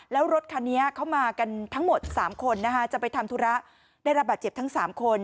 แล้วรถคันนี้เข้ามากันทั้งหมด๓คนนะคะจะไปทำธุระได้รับบาดเจ็บทั้ง๓คน